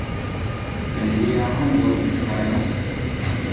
Galería Humboldt, Caracas.